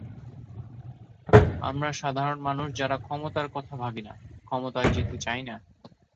আমরা সাধারণ মানুষ যারা ক্ষমতার কথা ভাবি না, ক্ষমতায় যেতে চাই না।